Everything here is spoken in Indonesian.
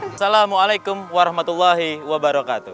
assalamualaikum warahmatullahi wabarakatuh